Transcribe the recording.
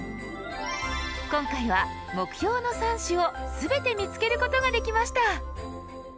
今回は目標の３種を全て見つけることができました。